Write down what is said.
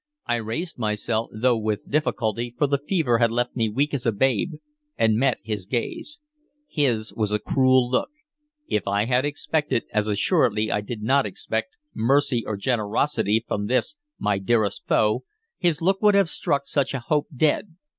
I raised myself, though with difficulty, for the fever had left me weak as a babe, and met his gaze. His was a cruel look; if I had expected, as assuredly I did not expect, mercy or generosity from this my dearest foe, his look would have struck such a hope dead.